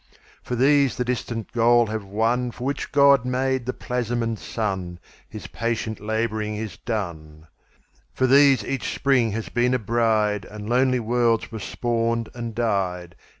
For these the distant goal have wonFor which God made the plasm and sun; His patient labouring is done. For these each Spring has been a bride, And lonely worlds were spawned and died.